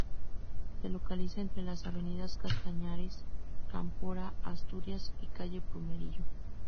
Se localiza entre las avenidas Castañares, Cámpora, Asturias y la calle Plumerillo.